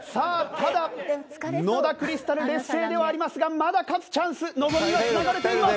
ただ野田クリスタル劣勢ではありますがまだ勝つチャンス望みは繋がれています。